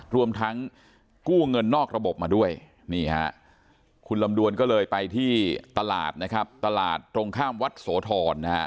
รวมทั้งกู้เงินนอกระบบมาด้วยคุณลำดวนก็เลยไปที่ตลาดตรงข้ามวัดโสธร